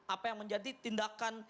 apa yang menjadi tindakan